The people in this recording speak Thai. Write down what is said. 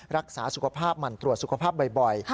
รักษาสุขภาพหมั่นตรวจสุขภาพบ่อย